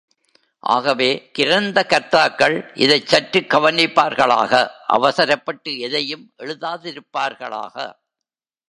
ஆகவே, கிரந்த கர்த்தாக்கள் இதைச் சற்றுக் கவனிப்பார்களாக அவசரப்பட்டு எதையும் எழுதாதிருப்பார்களாக.